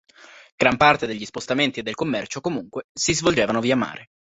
Gran parte degli spostamenti e del commercio, comunque, si svolgevano via mare.